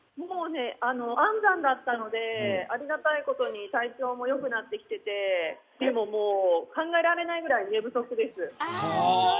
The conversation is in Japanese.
安産だったのでありがたいことに体調も良くなってきていてでも、もう考えられないぐらい寝不足です。